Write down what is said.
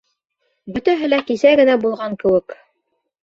Бөтәһе лә кисә генә булған кеүек.